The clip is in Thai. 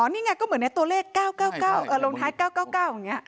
นี่ไงก็เหมือนในตัวเลข๙๙ลงท้าย๙๙อย่างนี้